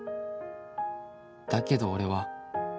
「だけど俺は」